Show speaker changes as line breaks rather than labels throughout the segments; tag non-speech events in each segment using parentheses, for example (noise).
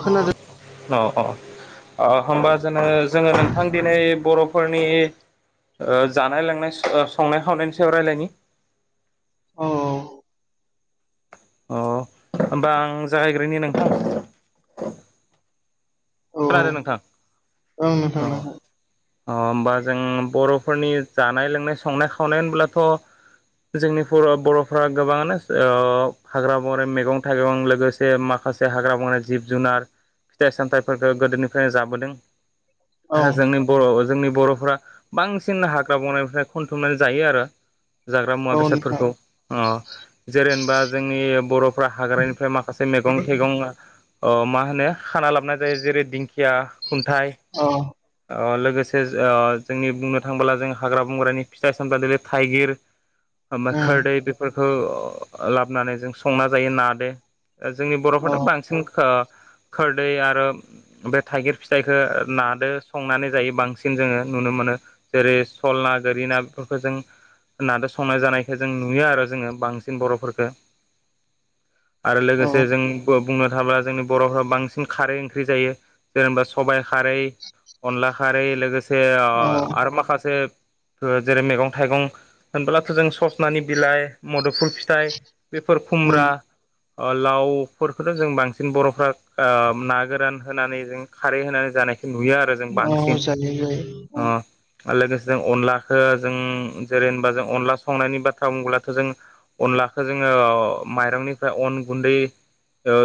खोनादों।
औ औ होमबा जोङो जोङो नोंथां दिनै बर'फोरनि ओ जानाय लोंनाय संनाय खावनायनि सायाव रायलायनि
औ औ
अ होमबा आं जागायग्रोनि नोंथां।
औ
खोनादों नोंथां।
औ
अ
नोथां।
अ होमबा जों बर'फोरनि जानाय लोंनाय संनाय खावनाय होनब्लाथ'। जोंनि बर'फ्रा गोबाङानो हाग्रा बंग्रा मैगं थाइगं लोगोसे माखासे माखासे हाग्रा बंग्रा जिब जुनार फिथाइ सामथाइ फोरखौ गोदोनिफ्रायनो जाबोदों
औ
आरो जोंनि बर' जोंनि बर'फोरा बांसिन हाग्रा बंग्रानिफ्राय खनथुमनानै जायो आरो। जाग्रा मुवा
औ नोंथां
बेसादफोरखौ जेरेेनबा जोंनि बर'फ्रा हाग्रानिफ्राय माखासे मेगं गं थाइगं मा होनो खाना लाबोन जायो जेरै दिंखिया खुन्थाइ
औ
लोगोसे जोंनि बुंनो थाङोबोला जों हाग्रा बंग्रानि फिथाइ सामथाइ जेरै थाइगिर
उम
खोरदै बेफोरखौ लाबोनानै जों संना जायो नादो। जोंनि
औ
बर'फोराथ' बांसिन खोरदै आरो बे थाइगिर फिथाइखौ नाजों संनानै जायो। बांसिन जोङो नुनो मोनो जेरै सल ना गोरि ना बेफोरखौ जों होननानै संनाय जानायखौय जों नुयो आरो जोङो बांसिन बर'फोरखो। आरो
औ
लोगोसे जों बुंनो थाब्ला जोंनि बर'फ्रा बांसिन खारै ओंख्रि जायो। जेनेबा सबाइ खारै, अनला खारै लोगोसे बे ओ
औ
आरो माखासे जेरै मैगं थाइगं होनबोब्लाथ' जों सजनानि बिलाइ मदुफुल फिथाइ बेफोर
उम
खुमब्रा, ओ लावफोरखौथ' जों बांसिन बर'फ्रा ओ ना गो रान होनानै जों खारै होनानै जानायखौ नुयो आरो जों
औ
बांसिन।
जायो जायो
अ। आरो लोगोसे अनलाखो जों जेरै होनबा जों अनला संनायनि बाथ्रा बुंबोलाथ' जों अनला खो जोङो माइरंनिफ्राय अन गुन्दै ओ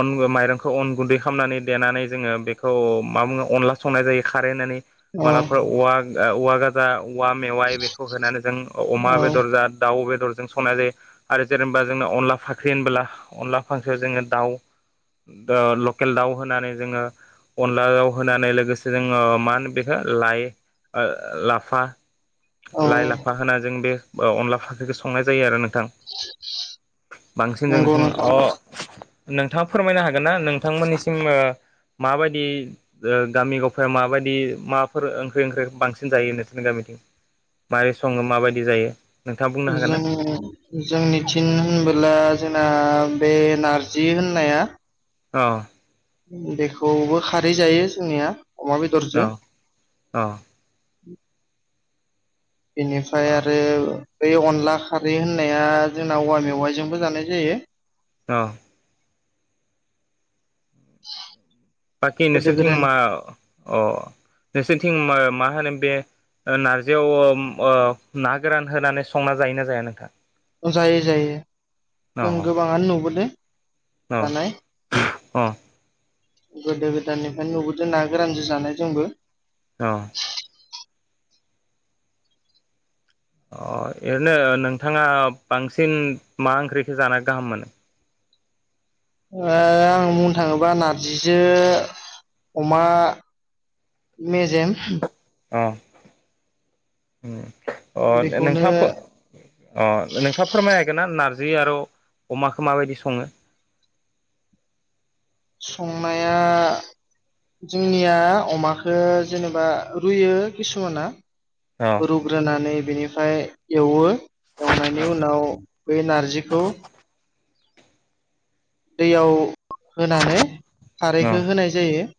अनखो माइरंखौ अन गुन्दै खामनानै देनानै जोङो बेखौ मा बुङो अनला संनाय जायो खारै होननानै।
औ
मालाबा औवा ओ औवा गाजा औवा मेवाइ बेखौ होनानै जों अमा
औ
बेदर जा दाउ बे दरजों संनाय जायो। आरो जेनेबा जोंङनो अनला फाख्रि होनबोला अनला फाख्रि जोङो दाउ दो ल खेल दाउ होनानै जोङो अनला आव होनानै लोगोसे जोङो मा होनो बेखौ लाय ओ लाफा
औ
लाय लाफा होनानै जों बे अनला फाख्रिखौ संनाय जायो आरो नोंथां। बांसिन
नंगौ
जोंनिथिं
नोंथां
अ नोंथाङा फोरमायनो हागोन ना नों नोंथांमोनिसिम ओ माबायदि ओ गामि गफायाव माबायदि माबाफोर ओंख्रि ओंख्रि बांसिन जायो नोंसिनि गामि मारै सङो माबादि जायो? नोंथाङा बुंनो हागोन ना
जों जोंनि थिन होनबोला जोंना बे नार्जि होननाया
औ।
बेखौबो खारै जायो जोंनिया। अमा
औ
बेदरजों
औ।
बेनिफ्राय आरो।
अ
बे अनला खारै होननाया जोंना औवा मेवाइजोंबो जानाय जायो।
औ। बाखि
गोदो
नोंसोरथिं मा अ नोंसोरथिं ओ मा मा होनो बे ओ नार्जियाव ओ अ ना गोरान होनानै संना जायोना जाया नोंथां?
जायो जायो।
अ
जों गोबाङानो नुबोदो
अ
जानाय।
अ
गोदो गोदायनिफ्रायनो नुबोदों ना गोरानजो जानाय जोंबो।
औ। अ ओरैनो नोंथाङा बांसिन मा ओंख्रिखौ जानाया गाहाम मोनो?
ओ आं बुंनो थाङोबा नार्जिजो अमा मेजेम।
अ। अ
बेखौनो
नोंथाङा नोंथाङा फोरमायनो हागोन ना ना र्जि आरो अमाखौ माबायदि सङो?
संनाया जोंनिया अमाखो जेनेबा रुयो किसुमाना।
अ
रुग्रोनानै बेनिफ्राय एवो। एवनायनि उनाव बे नार्जिखौ दैयाव होनानै खारैखो होनाय जायो।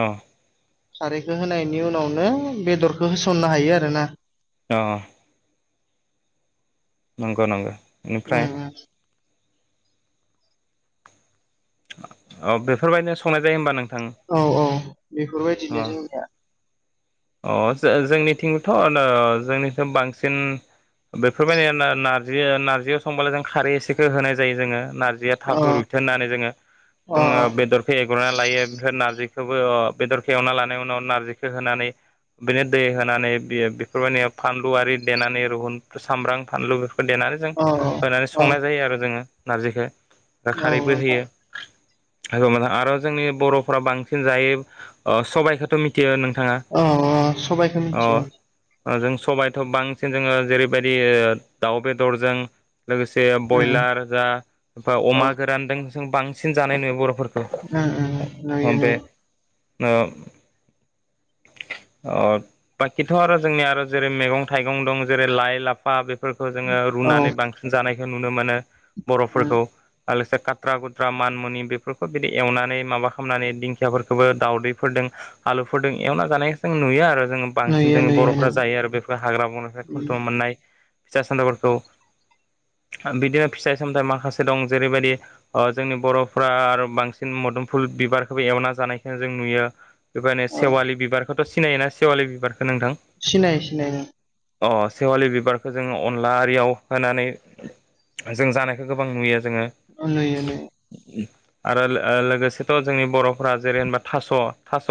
औ।
खारैखो होनायनि उनावनो बेदरखौ होसननो हायो आरोना।
अ। नंगौ नंगो।
उम उम।
औ बेफोरबायदिनो संनाय जायो होनबा नों
औ औ बेफोरबायदिनो जों दा
अ' जो-जोंनिथिंथ' नो जोंनिथिं बांसिन बेफोरबायदि ना-नारजि नारजि संबालाय जों खारै एसेखौ होनाय जायो जोङो नार नारजिया
अ
थाब रुइथो होननानै जोङो
अ
जोङो बेदरखौ एवग्रोनानै लायो आमफ्राय नारजि खोबो ओ बेदरखौ एवना लानायावनो नारजिखौ होनानै बिनो दै होनानै बियो बेफोरबायदि फानलु आरि देनानै रुहुन, सामब्रां, फानलु देनानै जों
औ
होनानै
औ
संनाय जायो आरो जोङो नारजिखौ। दा खारैबो
नोंथां
होयो। (unintelligible) आरो जोंनि बर'फ्रा बांसिन जायो ओ सबायाइखौथ' मिथियो नों
अ' अ' सबाइखौ मिथियो।
ओ जों सबायथ' बांसिन जोङो जेरैबायदि दाउ बेदरजों लोगोसे
उम
बयलार जा बा
औ
अमा गोरानदोंसो बांसिन जानाय नुयो बर'फोरखौ।
ओम ओम नुयो
बे
नुयो।
(unintelligible) अ बाखिथ' आरो जोंनिया आरो जेरै मैगं थाइगं दं जेरै लाइ लाफा बे फोरखौ जोङो
औ
रुनानै बांसिन जानायखौ नुनो मोनो
उम
बर'फोरखौ। लोगोसे काट्रा कुट्रा मानमुनि बेफोरखौ बिदि एवनानै माबा खालामनानै दिंखियाफोरखौबो दावउदैफोरदों आलुफोरदों एवना जानाय जों नुयो आरो जोङो बांसिन
नुयो
जोंनि
नुयो
बर'फ्रा
नुयो
जायो आरो। बेफोर हाग्रा बंग्रानिफ्राय
उम
खनथुमना मोननाय फिसा (unintelligible) फोरखौ बिदिनो फिथाइ सामथाइ माखासे दं जेरैबायदि ओ जोंनि बर'फोरा आरो बांसिन मदोमफुल बिबारखौबो एवना जानायखौ जों नुयो। बेबायनो
औ
सेवालि बिबारखौथ' सिनायोना सेवालि बिबारखौ? नोंथां?
सिनायो सिनायो।
अ सेवालि बिबारखौ जोङो अनला आरियाव होनानै जों जानायखौ गोबां नुयो। जोङो।
ओ नुयो नुयो।
आरो लो-लोगोसेथ' जोंनि बर'फोरा जेरै होनबा थास' थास'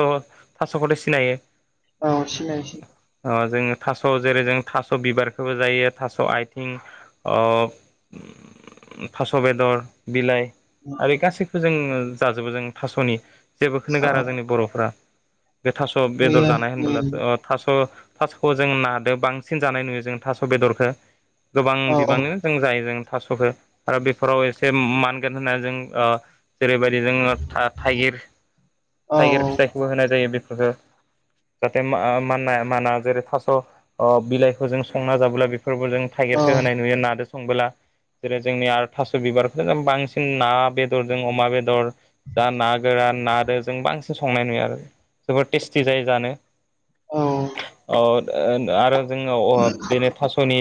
थास'खौथ' सि नायो?
औ सिनायोसै।
ओ जोङो थास' जेरै जों थास' बिबारखौबो जायो थास' आथिं ओ थास' बेदर, बिलाइ आरो गासैखौ जों जाजोबो जों थास'नि जेबोखौनो
औ
गारा जोंनि बर'फ्रा। बे थास' बेदर
नुयो
जानाय होनबोला
नुयो
थास' थास'खौ जों नादो बांसिन जानाय नुयो जों थास' बेदरखौ गोबां
औ
बिबांनो जों जायो जों थास'खो आरो बेफोराव एसे मानगोन होननानै जों ओ जेरैबायदि जोङो था-थाइगिर
औ
थाइगिर फिथाइखौबो होनाय जायो बेफोरफोरखौ जाहाथे मा-मानाय-माना जेरै थास' ओ बिलाइखौ जों संना जाबोला बे फोरबो जों
औ
थाइगिरखौ होनाय नुयो नादो संबोला जेरै जोंनि आरो थास' बिबारखौनो जों बांसिन ना बेदरजों अमा बेदर जा ना गोरान नादो जों बांसिन संनाय नुयो आरो। जोबोर टेस्टि जायो जानो
औ
ओ (unintelligible) आरो जोङो अ बिनो थास'नि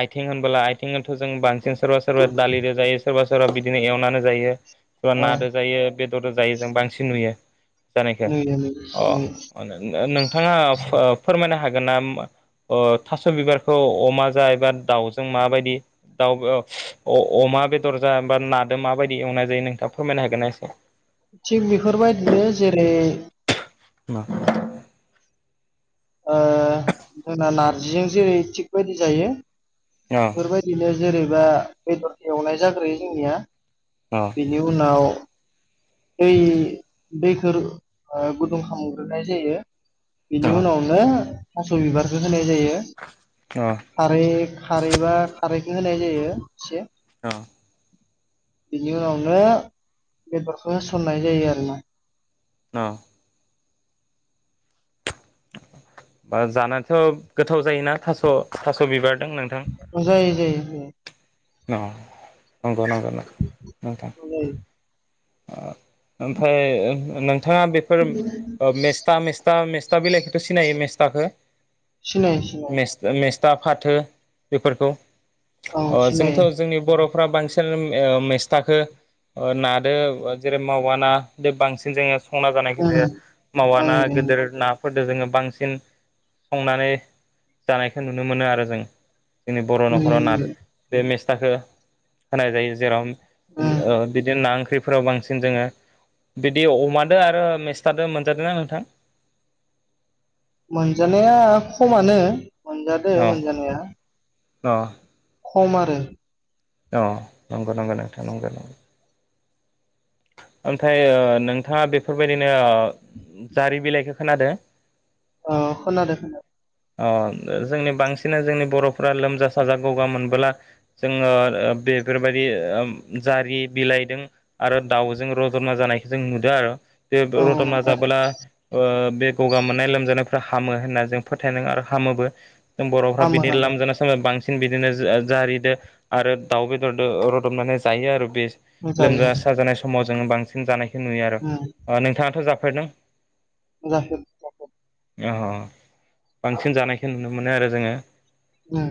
आइथिं होनबोला आइथिंखौथ' जों बांसिन सोरबा सोरबा दालिजों जायो सोरबा सोरबा बिदिनो एवनानै जायो सोरबा
औ
नादो जायो। बे (unintelligible) जायो जों बांसिन नुयो। जानायखौ
नुयो नुयो। नुयो
अ नों-नोंथाङा फो-फोरमायनो हागोन ना मा? ओ थास' बिबारखौ अमा जा एबा दाउजों माबायदि दाउ ओ अ-अ मा बेदर जा नादो माबायदि एवनाय जायो नोंथाङा फोरमायनो हागोन ना एसे?
थिग बेफोरबायदिनो जेरै
मा?
ओ जोंना नारजिजों जेरै थिग बायदि जायो। बेफोरबायदिनो जेरैबा बेदर एवनाय जाग्रोयो जोंनिया। बिनि उनाव दै दैखौ ओ गुदुं खालामग्रोनाय जायो। बेनि
अ
उनावनो थास' बिबारखौ होनाय जायो
अ
खारै खारैबा खारैखौ होनाय जायो।
औ।
बेनि उनावनो बेदरखौ होसननाय जायो आरोना।
अ। बा जानोथ' गोथाव जायोना थास' थास' बिबार
जायो जायो।
अ नंगौ नंगौ नोंथां।
जायो
ओ ओमफ्राय नोंथाङा बेफोर मेस्था मेस्था मेस मेस्था बिलाइखखौथ' सिनायो मेस्थाखो?
सिनायो सिनायो।
दा फाथो बेफोरखौ?
औ सिनायो।
थ' जोंनि बर'फ्रा बांसिन ओ मेस्थाखो ओ नादो जेरै मावा ना बे बांसिन जोङो संना जानायखौ
उम
नुयो मावा
ओं
ना
नुयो
गोदोर ना फोरदो जोङो बांसिन संनानै जानायखौ नुनो मोनो आरो जों। जोंनि बर' न'खराव ना
नुयो
बे मेस्थाखौ होनाय जायो जेराव
उम
ओ बिदिनो नां फुख्रिफोराव बांसिन जोङो बिदि अमादो आरो मेस्थादो मोनजादोना नोंथां? (inaudible)
मोनजानाया खमानो मोनजादो
औ
मोनजानाया।
अ।
खम आरो।
अ नंगौ नंगौ नोंथां नंगौ नंगौ। ओमफ्राय ओ नोंथाङा बेफोरबायदिनो ओ जारि बिलाइखौ खोनादों?
अ खोनादों खोनादो।
अ जोंनि बांसिन जोंनि बर'फ्रा लोमजा साजा गगा मोनबोला जोङो ओ बेफोरबायदि ओम जारि बिलाइदों आरो दाउजों रदबना जानायखौ जों नुदों। आर' बे
औ
रदबना
नोंथां
जाबोला ओ बे गगा मोननाय लोमजानायफ्रा हामो होनना जों फोथायदों आरो हामोबो। जों बर'फ्रा
हामो
बिदिनो
हामो
लोमजानासाजा समाव बांसिन बिदिनो जारिदो। आरो दाउ बेदर रदबनानै जायो आरो बे
जायो
लोमजा साजानाय समाव जोङो बांसिन जानाय (unintelligible) नुयो आरो
उम
ओ नोंथाङाथ' जाफेरदों?
जाफेरदों जाफेर
अ बांसिन जानायखौ नुनो मोनो आरो जोङो।
ओम।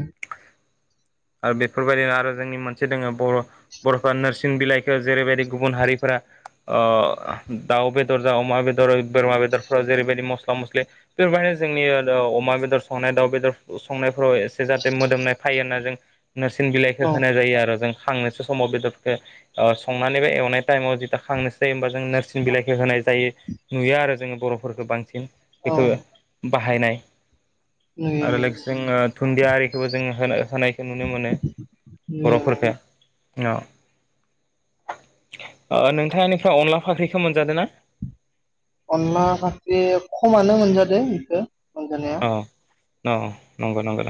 आरो बे बेफोरबायदिनो आरो जोंनि मोनसे दोङो बर' बर'फ्रा नोरसिं बिलाइखौ जेरैबायदि गुबुन हारिफोरा ओ दाउ बेदर जा अमा बेदर बोरमा बेदरफ्राव जेरैबायदि मस्ला मस्लि बेफोरबायदिनो जोंनि अमा बेदर संनाय दाउ बेदर संनायफोराव एसे जाहाथे मोदोमनाय फायो होनना जों नोरसिं बिलाइखौ
औ
होनाय जायो आरो जों। खांनोसै समाव बेदरफोरखौ ओ संनानै एबा एवनाय टाइमाव जेथिया खांनोसै होनबा जों नोरसिं बिलाइखौ होनाय जायो नुयो आरो जोङो बर'फोरखौ बांसिन
औ
बेखौ बाहायनाय
नुयो
आरो
नुयो
लोगोसे जोङो दुुनन्दिया आरिखोबो जों होन होनायखो नुनो मोनो
नुयो
बर'फोरखौ ओ नोंथांनिफ्राय अनला फाख्रिखौ मोनजादों ना?
अनला फाख्रि खमानो मोनजाद बेखौ मोनजानाया।
औ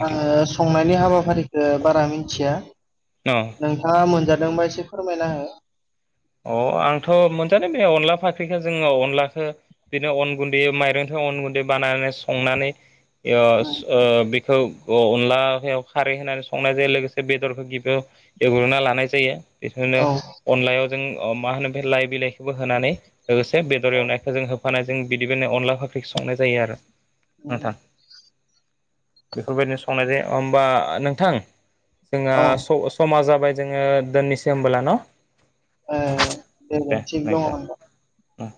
आंङो संनायनि हाबाफारिखौ बारा मिथिया
अ
नोंथाङा मोनजादों दोंबा एसे फोरमायना हो?
अ आंथ मोनजानाय बे अनला फाख्रिखौ जोंङो अनलाखौ बिदिनो अन गुन्दै माइरंखौ अन गुन्दै बानायनानै संनानै ओ
उम
ओ बि औ अ अनलाायाव खारै होनानै संनाय जायो लोगोसे बेदरखौ गिबियाव एवग्रोनना लानाय जायो। बिफोरनो
औ
अनलायाव जों अ मा होनो बे लाइ बिलाइखौबो होनानै लोगोसे बेदर
औ
एवनायखौ जों होफानाय जों बिदिबायनो अनला फाख्रिखौ संनाय जायो आरो।
औ
नोंथां बेफोरबायदिनो संनाय जायो ओमबा नोंथां जोंहा
औ
समाजा जाबाय जोंङो दोननैसो होमबोला न?
ओ दे दे थिग दंङ ओमबा।
उम